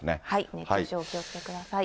熱中症、お気をつけください。